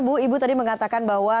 bu ibu tadi mengatakan bahwa